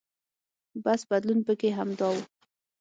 بس بدلون پکې همدا و.